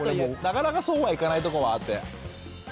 なかなかそうはいかないとこはあって。